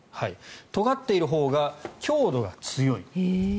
とがっているほうが強度が強い。